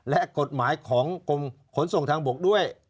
และกฎหมายของกรมขนส่งทางบกด้วย